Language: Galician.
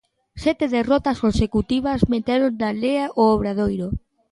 Sete derrotas consecutivas meteron na lea o Obradoiro.